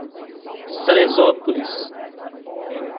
Salesópolis